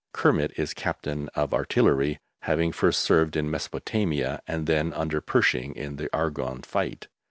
Kermit is Captain of Artillery, having first served in Mesopotamia, and then under Pershing in the Argonne fight.